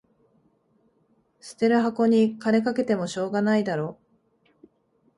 捨てる箱に金かけてもしょうがないだろ